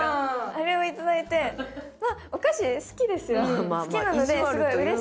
あれをいただいてまあお菓子好きですよ。